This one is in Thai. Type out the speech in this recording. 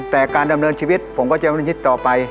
แต่การดำเนินชีวิตผมก็จะดำเนินชีวิตต่อไป